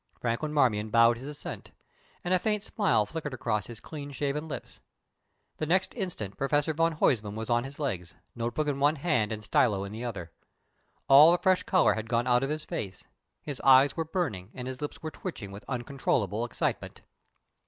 Franklin Marmion bowed his assent, and a faint smile flickered across his clean shaven lips. The next instant Professor van Huysman was on his legs, note book in one hand and stylo in the other. All the fresh colour had gone out of his face; his eyes were burning, and his lips were twitching with uncontrollable excitement.